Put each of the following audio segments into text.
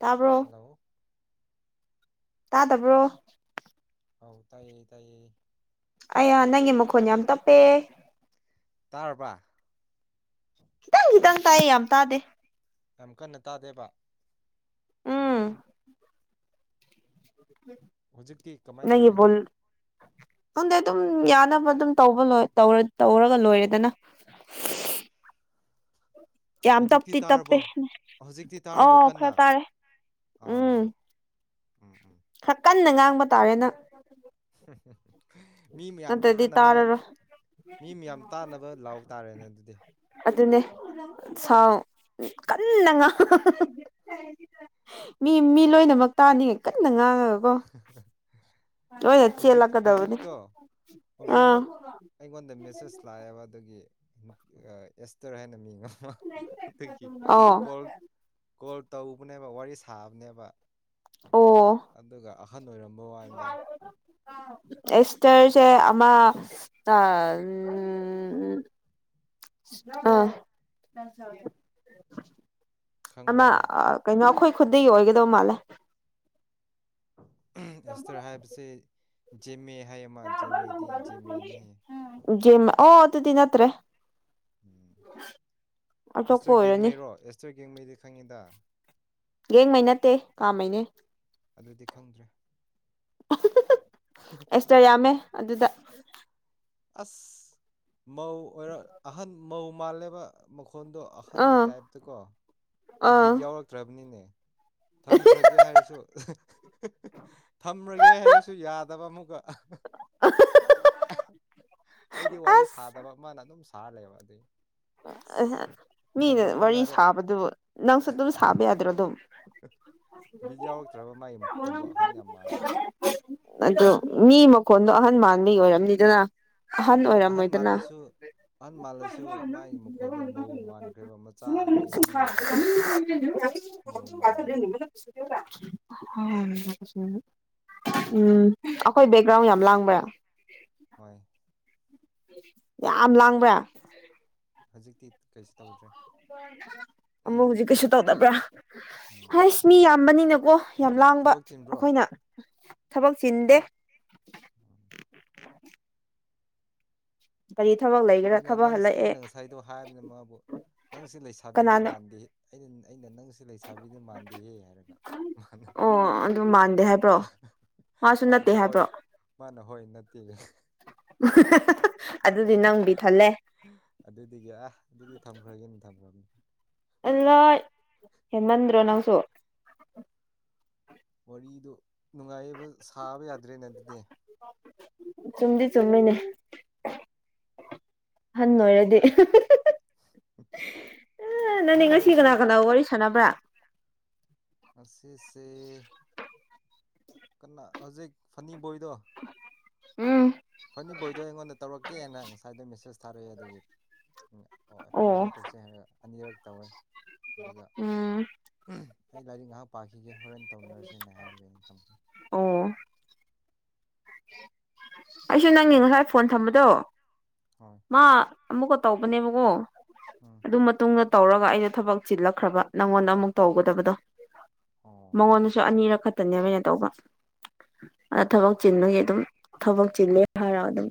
ꯇꯥꯕ꯭ꯔꯣ ꯍꯜꯂꯣ ꯇꯥꯗꯕ꯭ꯔꯣ ꯍꯧ ꯇꯥꯏꯌꯦ ꯇꯥꯏꯌꯦ ꯑꯩ ꯅꯪꯒꯤ ꯃꯈꯣꯟ ꯌꯥꯝ ꯇꯞꯄꯦ ꯇꯔꯔꯕ ꯈꯤꯇꯪ ꯈꯤꯇꯪ ꯇꯥꯏꯌꯦ ꯌꯥꯝ ꯇꯥꯗꯦ ꯌꯥꯝ ꯀꯟꯅ ꯇꯥꯗꯦꯕ ꯍꯧꯖꯤꯛꯇꯤ ꯀꯃꯥꯏꯅ ꯎꯝ ꯇꯧꯒꯦ ꯅꯣꯗ ꯑꯗꯨꯝ ꯌꯥꯅꯕ ꯑꯗꯨꯝ ꯇꯧꯕ ꯇꯧꯔꯒ ꯂꯣꯏꯔꯦꯗꯅ ꯌꯥꯝ ꯍꯧꯖꯤꯛꯇꯤ ꯇꯞꯇꯤ ꯇꯞꯄꯦ ꯇꯥꯔꯕꯣ ꯍꯧꯖꯤꯛꯇꯤ ꯑ ꯇꯥꯔꯕꯣ ꯀꯟꯅ ꯈꯔ ꯇꯥꯔꯦ ꯑꯥ ꯎꯝ ꯎꯝ ꯎꯝ ꯈꯔ ꯀꯟꯅ ꯉꯥꯡꯕ ꯇꯥꯔꯦꯅ [unintelligible] ꯃꯤ ꯃꯌꯥꯝ ꯃꯠꯇꯗꯤ ꯇꯥꯅꯕ ꯇꯔꯔ ꯃꯤ ꯃꯌꯥꯝ ꯇꯥꯅꯕ ꯂꯥꯎ ꯇꯥꯔꯦꯅꯦ ꯑꯗꯨꯗꯤ ꯎꯝ ꯆꯥꯎꯥꯎ ꯀꯟꯅꯥꯡꯉ ꯃꯤ ꯃꯤ ꯂꯣꯏꯅꯃꯛ ꯇꯥꯅꯤ ꯀꯟꯅ ꯉꯥꯡꯉꯕ [unintelligible] ꯍꯧꯖꯤꯛ ꯆꯦꯜꯂꯛꯀꯗꯕꯅꯤ ꯍꯧꯖꯤꯛꯇꯣ ꯑꯥ ꯍꯧꯖꯤꯛꯃꯛ ꯑꯩꯉꯣꯟꯗ ꯃꯦꯁꯦꯁ ꯂꯥꯛꯑꯦꯕ ꯑꯗꯨꯒꯤ ꯑꯦꯁꯇꯔ ꯍꯥꯏꯅ ꯃꯤꯡꯉꯣ ꯑꯗꯒꯤ ꯑꯣ ꯀꯣꯔ ꯀꯣꯔ ꯇꯧꯕꯅꯦꯕ ꯋꯥꯔꯤ ꯁꯥꯕꯅꯦꯕ ꯑꯣ ꯑꯗꯨꯒ ꯑꯍꯟ ꯑꯣꯏꯔꯝꯕ ꯋꯥꯗ ꯑꯦꯁꯇꯔꯁꯦ ꯑꯃ ꯑ ꯎ ꯎ ꯑꯥ ꯈꯪꯕ꯭ꯔꯥ ꯑꯃ ꯅꯪ ꯀꯩꯅꯣ ꯑꯩꯈꯣꯏ ꯈꯨꯒꯤ ꯑꯣꯏꯒꯗꯧ ꯃꯥꯜꯂꯦ ꯑꯦꯁꯇꯔ ꯍꯥꯏꯕꯁꯤ ꯃꯦ ꯖꯤ ꯑꯣ ꯑꯗꯨ ꯑꯗꯨꯗꯤꯤꯟꯠꯇ꯭ꯔꯦ ꯎꯝ ꯑꯇꯣꯞꯄ ꯑꯦꯁꯇꯣꯏ ꯑꯣꯏꯔꯅꯤ ꯌꯦꯦꯡꯃꯩꯔꯣ ꯑꯦꯁꯇꯣꯏ ꯌꯦꯦꯡꯉꯩꯗꯤ ꯈꯪꯉꯤꯗ ꯌꯦꯡꯉꯩ ꯅꯠꯇꯦ ꯀꯥꯃꯅꯦ ꯑꯗꯨꯗꯤ ꯈꯪꯗ꯭ꯔꯦ ꯑꯦꯁꯇꯔ ꯌꯥꯝꯃꯦ ꯑꯗꯨꯗ ꯑꯁ ꯃꯧ ꯑꯣꯏꯔꯣ ꯑꯍꯟ ꯃꯧ ꯃꯥꯜꯂꯦꯕ ꯃꯈꯣꯏ ꯐꯣꯟꯗꯣ ꯑꯍꯟꯒꯤ ꯑꯥ ꯇꯥꯏꯞꯇꯀꯣ ꯑꯩ ꯑꯥ ꯕꯤꯠ ꯌꯥꯎꯔꯛꯇ꯭ꯔꯕꯅꯤꯅꯦ ꯊꯝꯈ꯭ꯔꯒꯦ ꯍꯥꯏꯔꯁꯨ ꯊꯝꯂꯒꯦ ꯍꯥꯏꯔꯁꯨ ꯌꯥꯗꯕ ꯑꯃꯨꯛ [unintelligible] ꯑꯩꯗꯤ ꯋꯥꯔꯤ ꯑꯁ ꯁꯥꯗꯕ ꯃꯥꯅ ꯑꯗꯨꯝ ꯁꯥꯍꯜꯂꯦꯕ ꯑꯗꯨꯏ ꯑꯁ ꯃꯤꯅ ꯅꯝꯕꯔ ꯋꯥꯔꯤ ꯑꯣꯟꯅꯔꯦ ꯁꯥꯕꯗꯨ ꯅꯪꯁꯨ ꯑꯗꯨꯝ ꯁꯥꯕ ꯌꯥꯗ꯭ꯔꯣ ꯑꯗꯨꯝ ꯕꯤꯠ ꯌꯥꯎꯔꯛꯇ꯭ꯔꯕ ꯃꯥꯒꯤ ꯃꯈꯣꯟꯗꯣ ꯑꯍꯟ ꯌꯥꯝ ꯃꯥꯟꯕ ꯑ ꯃꯤ ꯃꯈꯣꯟꯗꯣ ꯑꯍꯟ ꯃꯥꯟ ꯃꯤ ꯑꯣꯏꯔꯝꯅꯤꯗꯅ ꯅꯠꯇꯦ ꯑꯍꯟ ꯃꯥꯜꯂꯁꯨ ꯑꯍꯟ ꯃꯥꯜꯂꯁꯨ ꯃꯥꯥꯏ ꯑꯩꯒꯤ ꯃꯈꯣꯟꯗꯣ ꯃꯧ ꯃꯥꯟꯈ꯭ꯔꯦꯕ ꯃꯆꯥ ꯑꯅꯤ ꯑꯍꯨꯝ ꯂꯩꯈ꯭ꯔꯕ ꯃꯧ ꯃꯥꯜꯂꯦꯕ ꯍꯁꯨ ꯎꯝ ꯑꯩꯈꯣꯏ ꯕꯦꯛꯒ꯭ꯔꯥꯎꯟ ꯌꯥꯝ ꯂꯥꯡꯕ ꯍꯣꯏ ꯌꯥꯝ ꯂꯥꯡꯕ꯭ꯔ ꯍꯧꯖꯤꯛꯇꯤ ꯀꯩꯁꯨ ꯇꯧꯗ꯭ꯔꯦ ꯑꯃꯨꯛ ꯍꯧꯖꯤꯛ ꯀꯩꯁꯨ ꯇꯧꯗꯕ꯭ꯔꯥ ꯎꯝ ꯍꯁ ꯃꯤ ꯌꯥꯝꯕꯅꯤꯅꯀꯣ ꯌꯥꯝ ꯂꯥꯡꯕ ꯊꯕꯛ ꯆꯤꯟꯕ꯭ꯔꯣ ꯑꯩꯈꯣꯏꯅ ꯊꯕꯛ ꯆꯤꯟꯗꯦ ꯀꯔꯤ ꯊꯕꯛ ꯂꯩꯒꯦꯔꯥ ꯑꯩꯅ ꯊꯕꯛ ꯅꯪꯁꯦ ꯑꯩꯅ ꯍꯜꯂꯛꯑꯦ ꯉꯁꯥꯏꯗꯣ ꯍꯥꯏꯕꯅꯤꯅ ꯃꯥꯕꯨ ꯅꯪꯁꯦ ꯂꯩꯁꯥꯕꯤꯗꯤ ꯀꯅꯥꯅꯣ ꯃꯥꯟꯗꯦ ꯑꯩꯅ ꯑꯩꯅ ꯅꯪꯁꯨ ꯂꯩꯁꯥꯕꯤꯗꯤ ꯃꯥꯟꯗꯦꯍꯦ ꯍꯥꯏꯔꯒ ꯑꯣ ꯑꯗꯨ ꯃꯥꯟꯗꯦ ꯍꯥꯏꯕ꯭ꯔꯣ ꯃꯥꯁꯨ ꯃꯥꯅ ꯅꯠꯇꯦ ꯍꯣꯏ ꯍꯥꯏꯕ꯭ꯔꯣ ꯃꯥꯅ ꯍꯣꯏ ꯑꯗꯨꯗꯤ ꯅꯪꯕꯤ ꯊꯜꯂꯦ ꯑꯗꯨꯒꯤ ꯑꯥ ꯑꯗꯨꯗꯤ ꯊꯝꯈ꯭ꯔꯒꯦꯅꯤ ꯊꯝꯈ꯭ꯔꯕꯅꯤ ꯑꯜꯂ ꯍꯦꯟꯃꯟꯗ꯭ꯔꯣ ꯅꯪꯁꯨ ꯋꯥꯔꯤꯗ ꯅꯨꯡꯉꯥꯏꯕ ꯁꯥꯕ ꯌꯥꯗ꯭ꯔꯦꯅ ꯑꯗꯨꯗꯤ ꯆꯨꯝꯗꯤ ꯆꯨꯝꯃꯤꯅꯦ ꯍꯟꯅ ꯑꯣꯏꯗꯤꯦ ꯎ ꯅꯪꯅꯦ ꯑꯍꯟ ꯉꯁꯤ ꯑꯣꯏꯔꯁꯨ ꯀꯅꯥ ꯀꯅꯥ ꯋꯥꯔꯤ ꯁꯥꯟꯅꯕ꯭ꯔꯥ ꯑꯁꯁꯦ ꯀ ꯍꯧꯖꯤꯛ ꯐꯅꯤ ꯕꯣꯏꯗꯣ ꯎꯝ ꯐꯅꯤ ꯕꯣꯏꯗꯣ ꯑꯩꯉꯣꯟꯗ ꯇꯧꯔꯛꯀꯦꯅ ꯉꯁꯥꯏꯗꯣ ꯃꯦꯁꯦꯁ ꯊꯥꯔꯛꯑꯦ ꯑꯗꯨꯒꯤ ꯎꯝ ꯑꯣ ꯇꯧꯁꯦ ꯇꯧꯁꯦ ꯍꯥꯏꯔ ꯑꯅꯤꯔꯛ ꯇꯧꯔꯦ ꯑꯗꯨꯒ ꯎꯝ ꯑꯩ ꯂꯥꯏꯔꯤꯛ ꯉꯥꯏꯍꯥꯛ ꯄꯥꯈꯤꯒꯦ ꯍꯣꯔꯦꯟ ꯇꯧꯅꯔꯁꯦꯅ ꯍꯥꯏꯔꯒꯦ ꯊꯝꯦ ꯑꯣ ꯑꯩꯁꯨ ꯅꯪꯒꯤ ꯉꯁꯥꯏ ꯐꯣꯟ ꯊꯝꯕꯗꯣ ꯍꯣꯏ ꯃꯥ ꯑꯃꯨꯛꯀ ꯇꯧꯕꯅꯦꯕꯀꯣ ꯎꯝ ꯑꯗꯨ ꯃꯇꯨꯡꯗ ꯇꯧꯔꯒ ꯑꯩꯅ ꯊꯕꯛ ꯆꯤꯜꯂꯛꯈ꯭ꯔꯕ ꯅꯪꯉꯣꯟꯗ ꯑꯃꯨꯛ ꯇꯧꯒꯗꯕꯗꯣ ꯑꯣ ꯃꯉꯣꯟꯗꯁꯨ ꯑꯅꯤꯔꯛ ꯈ ꯅꯦꯕ ꯑꯣꯏꯅ ꯇꯧꯕ ꯑꯗ ꯊꯕꯛ ꯆꯤꯟꯕꯒꯤ ꯑꯗꯨꯝ ꯊꯕꯛ ꯆꯤꯂꯦ ꯍꯥꯏꯔ ꯑꯗꯨꯝ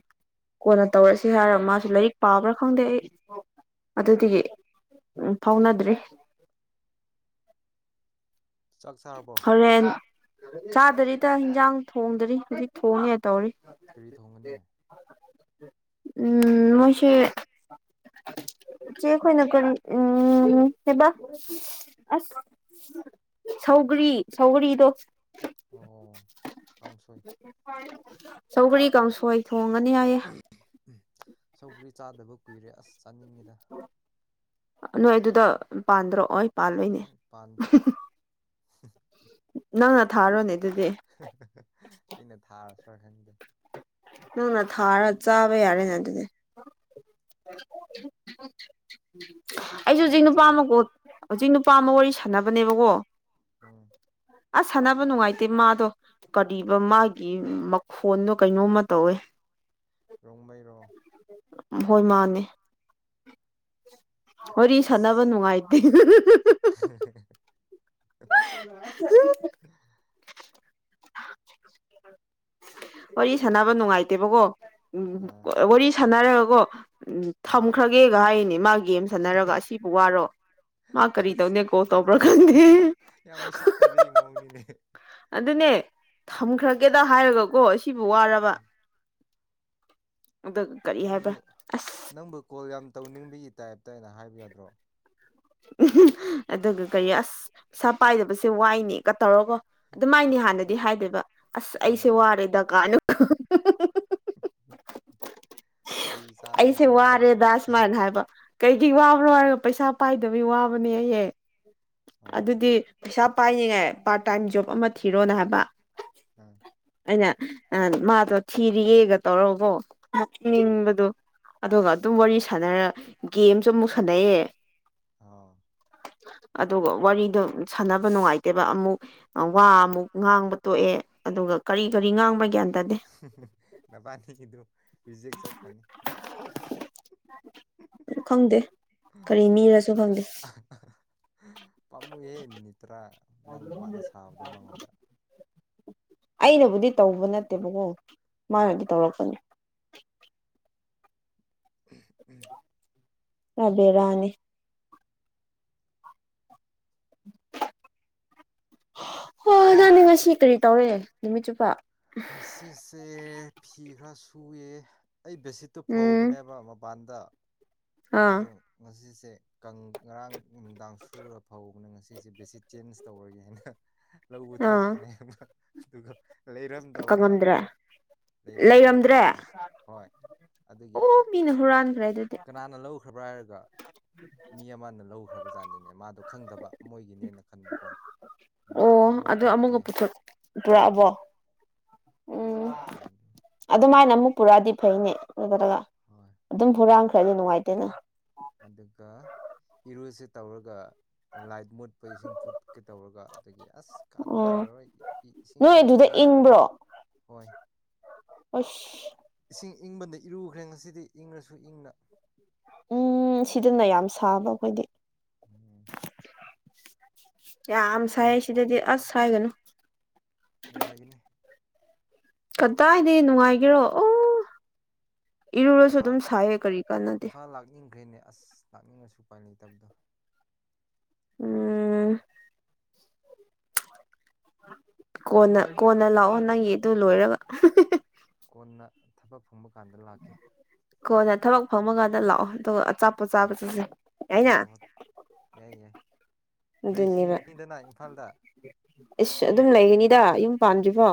ꯀꯣꯟꯅ ꯇꯧꯔꯁꯤ ꯍꯥꯏꯔ ꯃꯥꯁꯨ ꯂꯥꯏꯔꯤꯛ ꯄꯥꯕ꯭ꯔꯥ ꯈꯪꯗꯦ ꯑꯩ ꯑꯗꯨꯗꯒꯤ ꯎꯝ ꯐꯥꯎꯅꯗ꯭꯭ꯔꯔꯤ ꯆꯥꯛ ꯆꯥꯔꯕꯣ ꯍꯧꯔꯦꯟ ꯆꯥꯗꯔꯤꯗ ꯏꯟꯁꯥꯡ ꯊꯣꯡꯗꯔꯤ ꯍꯧꯖꯤꯛ ꯊꯣꯡꯉꯦ ꯇꯧꯔꯤ ꯀꯔꯤ ꯊꯣꯡꯒꯅꯤ ꯎꯝ ꯃꯣꯏꯁꯦ ꯆꯦ ꯈꯣꯏꯅ ꯀꯔꯤ ꯎꯝ ꯍꯕ ꯑꯁ ꯁꯧꯒꯔꯤ ꯁꯧꯒꯔꯤꯗꯣ ꯑꯣ ꯀꯥꯡꯁꯣꯏ ꯁꯧꯒꯔꯤ ꯀꯥꯎꯁꯣꯏ ꯊꯣꯡꯉꯅꯤ ꯍꯥꯏꯌꯦ ꯁꯧꯒ꯭ꯔꯤ ꯆꯥꯗꯕ ꯀꯨꯏꯔꯦ ꯑꯁ ꯆꯥꯅꯤꯡꯉꯤꯗ ꯅꯣꯏ ꯑꯗꯨꯗ ꯄꯥꯟꯗ꯭ꯔꯣꯑꯣꯏ ꯄꯥꯜꯂꯣꯏꯅꯦ ꯎꯝ ꯑꯝ ꯄꯥꯝꯗꯦ ꯍꯨꯝ ꯍꯨꯝ ꯅꯪꯅ ꯊꯥꯔꯣꯅꯦ ꯑꯗꯨꯗꯤ ꯍꯦ ꯍꯦ ꯍꯦ ꯑꯩꯅ ꯊꯥꯔꯁꯨ꯭ꯔꯥ ꯈꯪꯗꯦ ꯅꯪꯅ ꯊꯥꯔ ꯆꯥꯕ ꯌꯥꯔꯦꯅꯦ ꯑꯗꯨꯗꯤ ꯑꯩꯁꯨ ꯍꯧꯖꯤꯛ ꯅꯪꯁꯤ ꯅꯨꯄꯥ ꯆꯍꯤ ꯑꯃꯀꯣꯠ ꯍꯧꯖꯤꯛ ꯅꯨꯄꯥ ꯅꯨꯄꯥꯝꯕ ꯋꯥꯔꯤ ꯁꯥꯟꯅꯕꯅꯦꯕꯀꯣ ꯎꯝ ꯑꯁ ꯁꯥꯟꯅꯕ ꯅꯨꯡꯉꯥꯏꯇꯦ ꯃꯥꯗꯣ ꯀꯔꯤꯕ ꯃꯥꯒꯤ ꯃꯈꯣꯟꯗꯣ ꯀꯩꯅꯣꯝꯃ ꯇꯧꯋꯦ [unintelligible] ꯔꯣꯡꯃꯩꯔꯣ ꯍꯣꯏ ꯃꯥꯅꯦ ꯋꯥꯔꯤ ꯑꯁ ꯁꯥꯟꯅꯕ ꯅꯨꯡꯉꯥꯏꯇꯦ [inaudible] ꯋꯥꯔꯤ ꯁꯥꯟꯅꯕ ꯅꯨꯡꯉꯥꯏꯇꯦꯕꯀꯣ ꯎ ꯑꯥ ꯋꯥꯔꯤ ꯁꯥꯟꯅꯔꯒꯀꯣ ꯍꯣꯏ ꯊꯝꯈ꯭ꯔꯒꯦꯒ ꯍꯥꯏꯅꯦ ꯃꯥꯒꯤ ꯒꯦꯝ ꯁꯥꯟꯅꯔꯒ ꯑꯁꯤꯕꯨ ꯋꯥꯔꯣ ꯃꯥ ꯀꯔꯤ ꯑꯁ ꯇꯧꯅꯦ ꯀꯣ ꯌꯥꯝ ꯇꯧꯕ꯭ꯔꯥ ꯎꯁꯤꯠ ꯈꯪꯗꯦ ꯌꯥꯝ ꯎꯁꯤꯠꯇꯕꯤ ꯃꯑꯣꯡ ꯅꯤꯅꯦ ꯑꯗꯨꯅꯦ ꯊꯝꯈ꯭ꯔꯒꯦꯗ ꯍꯥꯏꯔꯒꯀꯣ ꯁꯤꯕꯨ ꯋꯥꯔꯕ ꯑꯗꯨꯒ ꯀꯔꯤ ꯅꯪꯕꯨ ꯍꯥꯏꯕ꯭ꯔꯥ ꯑꯁ ꯅꯪꯕꯨ ꯀꯣꯜ ꯌꯥꯝ ꯇꯧꯅꯤꯡꯕꯒꯤ ꯇꯥꯏꯞꯇ ꯑꯅ ꯍꯥꯏꯕ ꯌꯥꯗ꯭ꯔꯣ ꯎꯝ ꯑꯗꯨꯒ ꯀꯔꯤ ꯄꯩꯁꯥ ꯄꯥꯏꯗꯕꯁꯦ ꯋꯥꯏꯅꯦ ꯇꯧꯔꯒꯣ ꯑꯗꯨꯃꯥꯏꯅꯤ ꯍꯥꯟꯅꯗꯤ ꯍꯥꯏꯗꯦꯕ ꯑꯁ ꯑꯩꯁꯦ ꯑꯥ ꯋꯥꯔꯦ ꯗꯔꯀꯥꯔꯅꯣ ꯆꯩ ꯑꯩꯁꯦ ꯆꯥꯗꯕ ꯋꯥꯔꯦ ꯃꯤꯅꯤꯅꯦ ꯗꯥꯁꯃꯜ ꯍꯥꯏꯕ ꯀꯩꯒꯤ ꯋꯥꯕ꯭ꯔꯣ ꯍꯥꯏꯔꯒ ꯄꯩꯁꯥ ꯄꯥꯏꯗꯕꯩ ꯋꯥꯕꯅꯦ ꯍꯍꯦ ꯑꯣ ꯑꯗꯨꯗꯤ ꯄꯩꯁꯥ ꯄꯥꯏꯅꯤꯡꯉꯥꯏ ꯄꯥꯔꯠ ꯇꯥꯏꯝ ꯖꯣꯕ ꯑꯃ ꯊꯤꯔꯣꯅ ꯍꯥꯏꯕ ꯎꯝ ꯑꯩꯅ ꯃꯥꯗꯣ ꯊꯤꯔꯤꯌꯦꯒ ꯇꯧꯔꯒꯥ ꯀꯣ ꯑꯥ ꯅꯣꯛꯅꯤꯡꯕꯗꯣ ꯑꯗꯨꯒ ꯑꯗꯨꯝ ꯋꯥꯔꯤ ꯁꯥꯟꯅꯔ ꯒꯦꯝꯁꯨ ꯑꯃꯨꯛ ꯁꯥꯟꯅꯩꯌꯦ ꯑꯣ ꯑꯗꯨꯒ ꯋꯥꯔꯤꯗꯣ ꯁꯥꯟꯅꯕ ꯅꯨꯡꯉꯥꯏꯇꯦꯕ ꯑꯃꯨꯛ ꯋꯥ ꯑꯃꯨꯛ ꯉꯥꯡꯕ ꯇꯣꯛꯑꯦ ꯑꯗꯨꯒ ꯀꯔꯤ ꯀꯔꯤ ꯉꯥꯡꯕ ꯒ꯭ꯌꯥꯟ ꯇꯥꯗꯦ ꯗꯕꯥꯅꯤ ꯏꯗꯨ ꯌꯖꯦꯛ ꯆꯈ꯭ꯔꯅꯤ ꯈꯪꯗꯦ ꯀꯔꯤ ꯃꯤꯔꯁꯨ ꯍꯪꯗ ꯄꯥꯝꯃꯨꯏꯍꯦ ꯃꯤꯅꯤꯠ ꯇꯔꯥ ꯅꯪ ꯋꯥꯅ ꯁꯥꯕꯗꯣ ꯃꯉꯣꯟꯗ ꯑ ꯑꯩꯅꯕꯨꯗꯤ ꯇꯧꯕ ꯅꯠꯇꯦꯕꯀꯣ ꯑꯥ ꯃꯥꯅꯗꯤ ꯇꯧꯔꯛꯄꯅꯤ ꯎꯝ ꯔꯕꯤꯔꯅꯤ [unintelligible] ꯍꯣꯏ ꯑꯗꯨꯖꯅꯤ ꯉꯁꯤ ꯀꯔꯤ ꯇꯧꯔꯦ ꯅꯨꯃꯤꯠ ꯆꯨꯞꯄꯥ ꯉꯁꯤꯁꯦ ꯐꯤ ꯈꯔ ꯁꯨꯑꯦ ꯑꯩ ꯕꯦꯁꯤꯠꯇꯨ ꯎꯝ ꯐꯧꯕꯅꯦꯕ ꯃꯄꯥꯟꯗ ꯑꯥ ꯑꯗꯣ ꯉꯁꯤꯁꯦ ꯉꯔꯥꯡ ꯅꯨꯡꯗꯥꯡ ꯁꯨꯔ ꯐꯧꯕꯅꯦ ꯉꯁꯤ ꯁꯤꯁꯦ ꯕꯦꯁꯤ ꯆꯦꯟꯖ ꯇꯧꯔꯒꯦ ꯍꯥꯏꯅ ꯂꯧꯧꯕ ꯑꯥ ꯊꯣꯛꯄꯅꯦꯅ ꯑꯗꯨꯒ ꯂꯩꯔꯝꯗ ꯋꯥ ꯀꯪꯉꯝꯗ꯭ꯔꯦ ꯋꯥꯗ ꯂꯩꯔꯝꯗꯕ ꯂꯩꯔꯝꯗ꯭ꯔꯦ ꯋꯥꯟꯗ ꯍꯣꯏ ꯑꯗꯨꯒꯤ ꯑꯣ ꯃꯤꯅ ꯍꯨꯔꯥꯟꯈ꯭ꯔꯦ ꯑꯗꯨꯗꯤ ꯀꯅꯥꯅ ꯂꯧꯈ꯭ꯔꯕ꯭ꯔꯥ ꯍꯥꯏꯔꯒ ꯃꯤ ꯑꯃꯅ ꯂꯧꯈ꯭ꯔꯕꯖꯥꯠꯅꯤꯅꯦ ꯃꯥꯗꯣ ꯈꯪꯗꯕ ꯃꯣꯏꯒꯤꯅꯦꯅ ꯈꯟꯕꯀꯣ ꯑꯃꯨꯛ ꯑꯣ ꯑꯃꯨꯛ ꯑꯗꯨ ꯑꯃꯨꯛꯀ ꯄꯨꯔꯛꯄꯤꯌꯨ ꯄꯨꯊꯣꯛ ꯄꯨꯔꯛꯑꯕꯣ ꯎꯝ ꯄꯨꯔꯛꯄꯤꯌꯦ ꯑꯗꯨ ꯑꯗꯨꯃꯥꯏꯅ ꯑꯃꯨꯛ ꯄꯨꯔꯥꯗꯤ ꯐꯩꯅꯦ ꯑꯗꯨꯒꯠꯂꯒ ꯍꯣꯏ ꯑꯗꯨꯝ ꯍꯨꯔꯥꯟꯈ꯭ꯔꯗꯤ ꯅꯨꯡꯉꯥꯏꯇꯦꯅ ꯑꯗꯨꯒ ꯏꯔꯨꯁꯦ ꯇꯧꯔꯒ ꯂꯥꯏꯠ ꯃꯨꯠꯄ ꯏꯁꯤꯡ ꯐꯨꯠꯀꯦ ꯇꯧꯔꯒ ꯑꯗꯒꯤ ꯑꯁ ꯑꯣ ꯀꯥꯟꯅꯔꯔꯣꯏ ꯏꯁꯤꯡ ꯅꯣꯏ ꯑꯗꯨꯗ ꯏꯪꯕꯅꯤ ꯏꯔꯨꯒꯦꯅꯤ ꯏꯪꯕ꯭ꯔꯣ ꯍꯣꯏ ꯑꯁ ꯏꯁꯤꯡ ꯏꯪꯕꯗ ꯏꯔꯨꯈ꯭ꯔꯦ ꯉꯁꯤꯗꯤ ꯏꯪꯉꯁꯨ ꯏꯪꯅ ꯎꯝ ꯁꯤꯗꯅ ꯌꯥꯝ ꯁꯥꯕ ꯑꯩꯈꯣꯏꯗꯤ ꯎꯝ ꯌꯥꯝ ꯁꯍꯁꯤꯗꯗꯤ ꯑꯁ ꯍꯥꯏꯥꯏꯒꯅꯨ ꯅꯨꯡꯉꯥꯏꯒꯅꯤ ꯀꯗꯥꯏꯗꯤ ꯅꯨꯡꯉꯥꯏꯒꯦꯔꯣ ꯑꯣ ꯏꯔꯨꯔꯁꯨ ꯏꯝꯐꯥꯜ ꯑꯗꯨꯝ ꯁꯥꯏꯌꯦ ꯀꯔꯤ ꯀꯥꯟꯅꯗꯦ ꯏꯝꯐꯥꯜ ꯂꯥꯛꯅꯤꯡꯈ꯭ꯔꯦꯅꯦ ꯑꯁ ꯂꯥꯛꯅꯤꯡꯉꯁꯨ ꯎꯄꯥꯏ ꯂꯩꯇꯕꯗꯣ ꯎꯝ ꯀꯣꯟꯅ ꯀꯣꯟꯅ ꯂꯥꯛꯑꯣ ꯅꯪꯒꯤ ꯑꯗꯨ ꯂꯣꯏꯔꯕ ꯀꯣꯟꯅ ꯊꯕꯛ ꯐꯪꯕ ꯀꯥꯟꯗ ꯂꯥꯛꯀꯦ ꯀꯣ ꯅ ꯊꯕꯛ ꯐꯪꯉꯀꯥꯟꯗ ꯂꯥꯛꯑꯣ ꯑꯗꯨꯒ ꯑꯆꯥꯄꯣꯠ ꯎꯝ ꯆꯥꯕ ꯆꯠꯁꯦ ꯌꯥꯩꯅ ꯑꯆꯧꯕ ꯌꯥꯏ ꯌꯥꯏ ꯑꯗꯨꯅꯦꯕ ꯂꯩꯈꯤꯅꯤꯗꯅ ꯏꯝꯐꯥꯜꯗ ꯑꯁ ꯑꯗꯨꯝ ꯂꯩꯒꯅꯤꯗ ꯌꯨꯝ ꯄꯅꯤꯖꯕ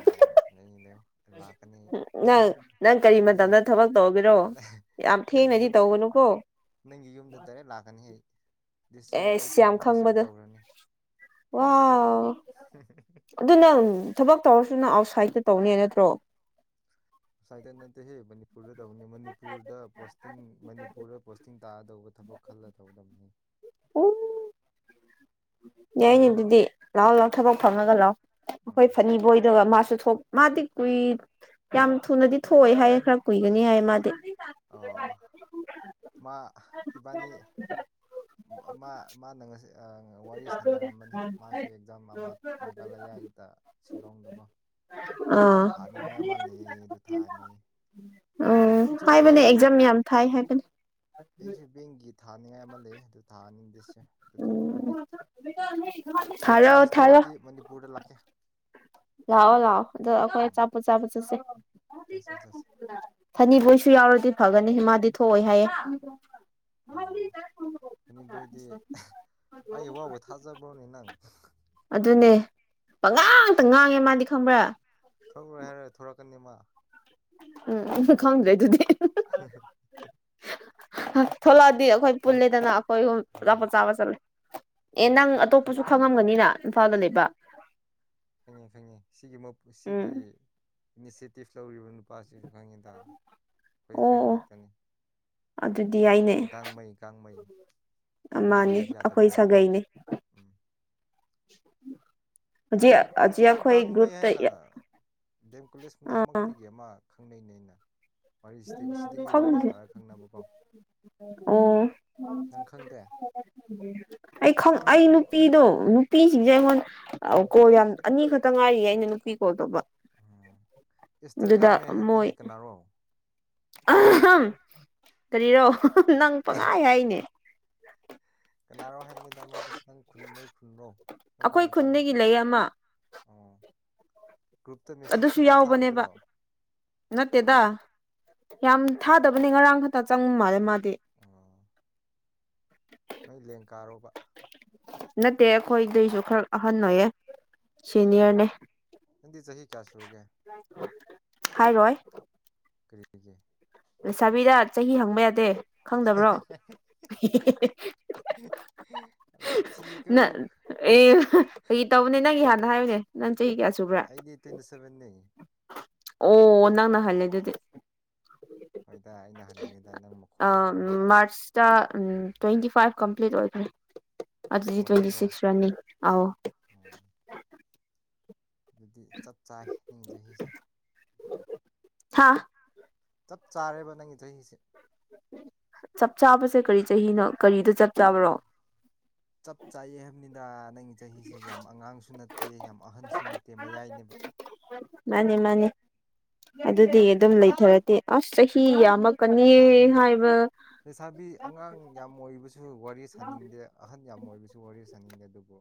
ꯑꯥ ꯂꯩ ꯂꯩꯌꯨ ꯂꯥꯛꯀꯅꯤ ꯅꯪ ꯅꯪ ꯀꯔꯤ ꯅꯪꯒꯤ ꯃꯇꯝꯗ ꯊꯕꯛ ꯇꯧꯕꯒꯔꯣ ꯅꯪ- ꯌꯥꯝ ꯅꯪꯒꯤ ꯊꯦꯡꯅꯗꯤ ꯌꯨꯝ ꯇꯧꯒꯅꯨꯀꯣ ꯅꯪꯒꯤ ꯌꯨꯝꯗ ꯇꯔꯦꯠ ꯂꯥꯛꯀꯅꯤ ꯑꯩꯇ ꯑꯩ ꯊꯕꯛ ꯗꯤꯁꯇꯔꯔꯕ ꯇꯧꯈ꯭ꯔꯅꯤ ꯋꯥ ꯑꯗꯨꯅ ꯊꯕꯛ ꯇꯧꯔꯁꯨꯅ ꯑꯥꯎꯠꯁꯥꯏꯗꯇ ꯇꯧꯅꯦ ꯅꯠꯇ꯭ꯔꯣ ꯋꯁꯥꯏꯠꯇ ꯅꯠꯇꯦꯍꯦ ꯃꯅꯤꯄꯨꯔꯗ ꯇꯧꯕꯅꯤ ꯃꯅꯤꯄꯨꯔꯗ ꯄꯣꯁꯇꯤꯡ ꯃꯅꯤꯄꯨꯔꯗ ꯄꯣꯁꯇꯤꯡ ꯇꯥꯗꯧꯕ ꯊꯕꯛ ꯈꯜꯂ ꯇꯧꯗꯝꯅꯤ ꯎꯝ ꯌꯥ ꯑꯅꯦ ꯑꯗꯨꯗꯤ ꯂꯥꯛꯑꯣ ꯂꯥꯛꯑꯣ ꯊꯕꯛ ꯐꯪꯉꯒ ꯂꯥꯛꯑꯣ ꯑꯩꯈꯣꯏ ꯎꯝ ꯐꯅꯤꯕꯣꯏꯗꯒ ꯃꯥꯁꯨ ꯃꯥꯗꯤ ꯀꯨꯏ ꯌꯥꯝ ꯊꯨꯅꯗꯤ ꯊꯣꯛꯑꯦ ꯍꯥꯏꯌꯦꯦ ꯈꯔ ꯀꯨꯏꯒꯅꯤ ꯍꯥꯏꯌꯦ ꯃꯥꯗꯤ ꯑꯣ ꯃꯥ ꯏꯕꯥꯅꯤ ꯃꯥ ꯃꯥ ꯋꯥꯔꯤ ꯁꯅꯔꯝꯕꯅꯤ ꯃꯥꯁꯨ ꯑꯦꯛꯖꯥꯝ ꯑꯃ ꯃꯦꯘꯥꯂꯌꯥꯗ ꯁꯤꯂꯣꯡꯗꯕꯨ ꯑꯥ ꯑꯗꯨ ꯊꯥꯅꯤ ꯎꯝ ꯑꯩꯁꯨ ꯍꯥꯏꯕꯅꯦ ꯕꯦꯡꯒꯤ ꯑꯦꯛꯖꯥꯝ ꯌꯥꯝ ꯊꯥꯏ ꯍꯥꯏꯕꯅꯦ ꯑꯩꯁꯨ ꯕꯦꯡꯒꯤ ꯊꯥꯅꯤꯡꯉꯥꯏ ꯑꯃ ꯂꯩ ꯑꯗꯨ ꯊꯥꯍꯅꯤꯡꯗꯦꯁꯦ ꯑꯗꯨ ꯊꯣꯛꯈ꯭ꯔꯗꯤ ꯎꯝ ꯕꯥꯏ ꯊꯥꯔꯛꯑꯣ ꯆꯥꯟꯁ ꯊꯣꯛꯑꯗꯤ ꯊꯥꯔꯛꯑꯣ ꯃꯅꯤꯄꯨꯔꯗ ꯂ ꯂꯥꯛꯑꯣ ꯂꯥꯛꯑꯣ ꯑꯗꯣ ꯑꯩꯈꯣꯏ ꯑ ꯎꯝ ꯆꯆꯥꯄꯣꯠ ꯆꯥꯄ ꯆꯠꯁꯦ ꯆꯠꯁꯦ ꯆꯠꯁꯦ ꯊꯅꯤꯕꯨꯣꯏ ꯁꯨ ꯌꯥꯎꯔꯗꯤ ꯐꯒꯅꯤ ꯃꯥꯗꯤ ꯊꯣꯛꯑꯣꯏ ꯍꯥꯏꯌꯦꯦ ꯑꯣ ꯑꯗꯨꯅꯤꯕꯣꯏꯗꯤ ꯑꯌꯨꯕꯕꯨ ꯊꯥꯖꯕ꯭ꯔꯣꯅꯦꯅꯪ ꯑꯗꯨꯅꯦ ꯄꯉꯥꯡꯇ ꯉꯥꯡꯉꯦ ꯃꯥꯗꯤ ꯈꯪꯕ꯭ꯔꯥ ꯊꯣꯛꯣꯏ ꯍꯥꯏꯔ ꯊꯂꯛꯀꯅꯤꯃ ꯎ ꯈꯪꯗꯗꯗꯤ [inaudible] ꯊꯂꯣ ꯑꯩꯈꯣꯏ ꯄꯨꯜꯂꯦꯗꯅ ꯑꯩꯈꯣꯏꯣꯆꯥ ꯍꯣꯏ ꯄꯣꯠ ꯆꯥꯕ ꯆꯠꯂꯦ ꯑꯦ ꯎꯝ ꯅꯪ ꯑꯇꯣꯞꯄꯁꯨ ꯪꯒꯅꯤꯅ ꯏꯝꯐꯥꯜꯗ ꯂꯩꯕ ꯐꯪꯉꯦ ꯐꯪꯉꯦ ꯁꯤꯒꯤ ꯎꯝ ꯁꯤꯒꯤ ꯏꯅꯤꯁꯤꯦꯇꯤꯞ ꯂꯧꯔꯤꯕ ꯅꯨꯄꯥꯁꯤꯁꯨ ꯈꯪꯉꯤꯗ ꯑꯩꯈꯣꯏ ꯑꯣ ꯐ꯭ꯔꯦꯟ ꯑꯣ ꯉꯥꯛꯇꯅꯤ ꯑꯗꯨꯗꯤ ꯑꯩꯅꯦ ꯒꯥꯡꯃꯩ ꯒꯥꯡꯃꯩ ꯃꯤꯡꯗꯤ ꯃꯥꯅꯤ ꯍꯥꯏꯕ ꯑꯩꯈꯣꯏ ꯌꯥꯗꯕꯅꯤꯅꯀꯣ ꯁꯥꯒꯩꯅꯦ ꯎꯝ ꯍꯧꯖꯤꯛ ꯍꯧꯖꯤꯛ ꯑꯦꯇꯔ ꯑꯩꯈꯣꯏ ꯒꯥꯡꯃꯩ ꯒ꯭ꯔꯨꯞꯇ ꯍꯥꯏꯅ ꯗꯦꯝꯀꯨꯂꯁ ꯑꯥ ꯃꯅꯥꯛꯃꯛꯇꯒꯤ ꯑꯃ ꯈꯪꯅꯩ ꯅꯩꯅꯩꯅ ꯋꯥꯔꯤꯁꯤꯗ ꯁꯤꯗꯒꯤ ꯋꯥꯔꯤ ꯈꯪꯗꯦ ꯁꯥꯔꯒ ꯈꯪꯅꯕꯀꯣ ꯑꯣ ꯅꯪ ꯈꯪꯗꯦ ꯑꯩ ꯈꯪ ꯑꯩ ꯅꯨꯄꯤꯗꯣ ꯅꯨꯄꯤꯁꯤꯡꯁꯦ ꯑꯩꯉꯣꯟ ꯀꯣꯜ ꯌꯥꯝ ꯑꯅꯤꯈꯛꯇ ꯉꯥꯏꯔꯤꯌꯦ ꯑꯩꯅ ꯅꯨꯄꯤ ꯀꯣꯜ ꯇꯧꯕ ꯎꯝ ꯏꯁꯇꯔ ꯑꯗꯨꯗ ꯀꯥꯃꯦꯩ ꯃꯣꯏ ꯍꯥꯏꯕꯗꯨꯗꯤ ꯀꯅꯥꯔꯣ ꯀꯔꯤꯔꯣ ꯅꯪ ꯄꯉꯥꯏ ꯍꯥꯏꯅꯦ ꯀꯅꯥꯔꯣ ꯍꯥꯏꯕꯅꯤꯗ ꯃꯥꯗꯣ ꯅꯪ ꯈꯨꯜ ꯂꯣꯏ ꯈꯨꯜꯔꯣ ꯅꯣꯏ ꯑꯩꯈꯣꯏ ꯈꯨꯟꯕ ꯆꯥꯔꯣ ꯈꯨꯟꯗꯒꯤ [inaudible] ꯒ꯭ꯔꯨꯞꯇ ꯃꯦꯁꯦꯁ ꯑꯗꯨꯁꯨ ꯄꯨꯡꯇꯥ ꯌꯥꯎꯕꯅꯦꯕ ꯊꯥꯕꯗꯨꯔꯣ ꯅꯠꯇꯦꯗ ꯌꯥꯝ ꯊꯥꯗꯕꯅꯤ ꯉꯔꯥꯡ ꯈꯛꯇ ꯆꯪꯉ ꯃꯥꯜꯂꯦ ꯃꯥꯗꯤ ꯑꯣ ꯅꯣꯏ ꯂꯦꯡ ꯀꯥꯔꯨꯕ ꯅꯠꯇꯦ ꯑꯩꯈꯣꯏꯗꯩꯁꯨ ꯈꯔ ꯑꯍꯟ ꯑꯣꯏꯌꯦꯦ ꯑꯣ ꯁꯤꯅꯤꯌꯔꯅꯦ ꯅꯪꯗꯤ ꯆꯍꯤ ꯀꯌꯥ ꯁꯨꯔꯒꯦ ꯍꯥꯏꯔꯣꯏ ꯀꯔꯤꯒꯦ ꯁꯥꯕꯤꯗ ꯆꯍꯤ ꯍꯪꯕ ꯌꯥꯗꯦ ꯈꯪꯗꯕ꯭ꯔꯣ ꯌꯥꯝ ꯅ ꯁꯥꯊꯤꯌꯦꯀꯣ ꯑꯦ ꯀ ꯇꯧꯕꯅꯦ ꯅꯪꯒꯤ ꯍꯥꯟꯅ ꯍꯥꯏꯌꯨꯅꯦ ꯅꯪ ꯆꯍꯤ ꯀꯌꯥ ꯁꯨꯕ꯭ꯔꯥ ꯑꯩꯗꯤ ꯇ꯭ꯋꯦꯟꯇꯤ ꯁꯚꯦꯟꯅꯤ ꯑꯣ ꯅꯪꯅ ꯍꯜꯂꯦ ꯑꯗꯨꯗꯤ ꯍꯣꯏꯗ ꯑꯩꯅ ꯍꯟꯒꯅꯤꯗ ꯅꯪ ꯑ ꯃꯈꯣꯟꯗ ꯈꯪꯉꯤꯗ ꯃꯥꯔꯁ ꯇ꯭ꯋꯦꯟꯇꯤ ꯐꯥꯏꯚ ꯂꯤꯠ ꯑꯣꯏꯈ꯭ꯔꯦ ꯑꯗꯨꯗꯤ ꯑꯣ ꯇ꯭ꯋꯦꯟꯇꯤ ꯅꯪꯔꯣ ꯁꯤꯛꯁ ꯔꯟꯅꯤ ꯑ ꯑꯣ ꯑꯗꯨꯗꯤ ꯆꯞ ꯆꯥꯏ ꯅꯪ ꯆꯍꯤꯁꯦ ꯍꯥꯥ ꯆꯞ ꯆꯥꯔꯦꯕ ꯅꯪꯒꯤꯗꯁꯦ ꯆꯞ ꯆꯥꯕꯁꯦ ꯀꯔꯤ ꯆꯍꯤꯅꯣ ꯀꯔꯤꯗ ꯆꯞ ꯆꯥꯕꯔꯣ ꯆꯞ ꯆꯥꯛꯑ ꯍꯥꯏꯕꯅꯤꯗ ꯅꯪꯒꯤ ꯆꯍꯤꯁꯦ ꯌꯥꯝ ꯑꯉꯥꯡꯁꯨ ꯅꯠꯇꯦ ꯌꯥꯝ ꯑꯍꯟꯁꯨ ꯅꯠꯇꯦ ꯃꯌꯥꯏꯅꯦꯕ ꯃꯥꯅꯤ ꯃꯥꯅꯤ ꯑꯗꯨꯗꯤ ꯑꯗꯨꯝ ꯂꯩꯊꯔꯗꯤꯦ ꯑꯁ ꯆꯍꯤ ꯌꯥꯝ ꯀꯅꯤ ꯂꯩꯁꯥꯕꯤ ꯍꯥꯏꯕ ꯂꯩꯁꯥꯕꯤ ꯑꯉꯥꯡ ꯌꯥꯝ ꯑꯣꯏꯕꯁꯨ ꯋꯥꯔꯤ ꯁꯥꯅꯤꯡꯗꯦ ꯑꯍꯟ ꯌꯥꯝ ꯑꯣꯏꯕꯁꯨ ꯋꯥꯔꯤ ꯁꯥ ꯆꯅꯤꯡꯗꯦ ꯑꯗꯨꯕꯨ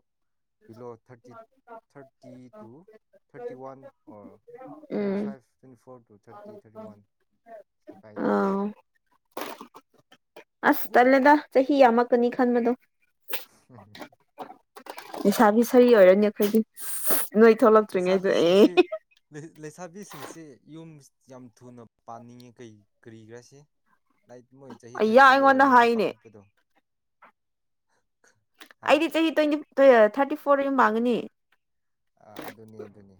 below thirty thirty two thirty one or twenty um five twenty four two thirty thirty one ꯁꯤꯗꯤ ꯀꯥꯏꯗꯦꯕ ꯑꯥꯎ ꯑꯁ ꯇꯂꯦꯗ ꯆꯍꯤ ꯌꯥꯝꯃꯛꯛꯀꯅꯤ ꯈꯟꯕꯗꯣ ꯅꯤꯁꯥꯕꯤ ꯁꯔꯤ ꯑꯣꯏꯔꯅꯤ ꯑꯩꯈꯣꯏꯗꯤ ꯅꯣꯏ ꯊꯣꯛꯂꯛꯇ꯭ꯔꯤꯉꯩꯗ ꯑꯦ ꯂꯩꯁꯥꯕꯤꯁꯤꯡꯁꯤ ꯂꯩꯁꯥꯕꯤꯁꯤꯡꯁꯤ ꯌꯨꯝ ꯌꯥꯝ ꯊꯨꯅ ꯄꯥꯅꯤꯡꯉꯤ ꯀꯔꯤ ꯀꯔꯤꯒ꯭ꯔꯥꯁꯤ ꯂꯥꯏꯛ ꯃꯣꯏ ꯆꯍꯤ ꯑꯩꯌꯥ ꯊꯥꯔꯇꯤ ꯑꯩꯉꯣꯟꯗ ꯌꯧꯔꯅꯦꯗꯤ ꯍꯥꯏꯅꯦ ꯄꯥꯈꯠꯄꯗꯣ ꯍꯥ ꯑꯩꯗꯤ ꯆꯍꯤ ꯇ꯭ꯋꯦꯟꯇꯤ ꯊꯥꯔꯇꯤ ꯐꯣꯔ ꯃꯥꯡꯒꯅꯤ ꯑ ꯑꯗꯨꯅꯤ ꯑꯗꯨꯅꯤ